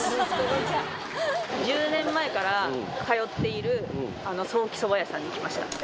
１０年前から通っているソーキそば屋さんに行きました。